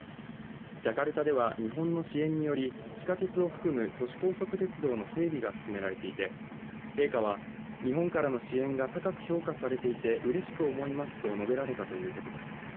ジャカルタでは、日本の支援により地下鉄を含む都市高速鉄道の整備が進められていて陛下は、日本からの支援が高く評価されていてうれしく思いますと述べられたということです。